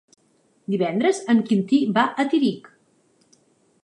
Divendres en Quintí va a Tírig.